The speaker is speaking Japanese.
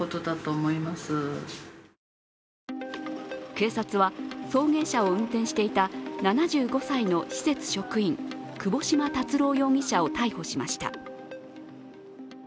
警察は送迎車を運転していた７５歳の施設職員窪島達郎容疑者を逮捕しました。